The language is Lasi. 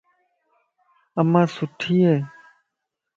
امان سٺي ائي.